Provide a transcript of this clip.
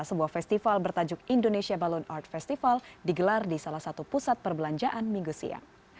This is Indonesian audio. sebuah festival bertajuk indonesia balon art festival digelar di salah satu pusat perbelanjaan minggu siang